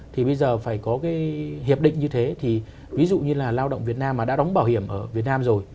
thì bây giờ phải có cái hiệp định như thế thì ví dụ như là lao động việt nam mà đã đóng bảo hiểm ở việt nam rồi